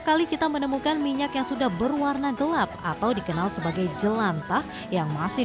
kali kita menemukan minyak yang sudah berwarna gelap atau dikenal sebagai jelantah yang masih